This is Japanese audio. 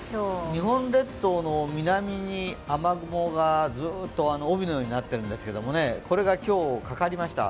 日本列島の南に雨雲がずっと帯のようになってるんですけどこれが今日かかりました。